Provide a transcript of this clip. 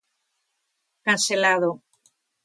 Cancelado.